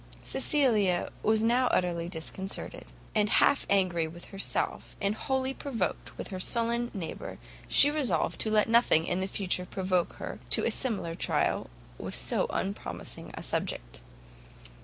Cecilia was now utterly disconcerted; and half angry with herself, and wholly provoked with her sullen neighbour, she resolved to let nothing in future provoke her to a similar trial with so unpromising a subject.